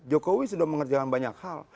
jokowi sudah mengerjakan banyak hal